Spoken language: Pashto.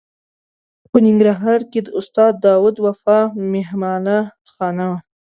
په ننګرهار کې د استاد داود وفا مهمانه خانه وه.